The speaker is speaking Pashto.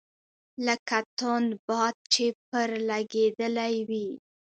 لکه توند باد چي پر لګېدلی وي .